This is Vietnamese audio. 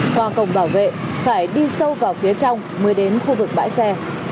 khoa cổng bảo vệ phải đi sâu vào phía trong mới đến khu vực bãi xe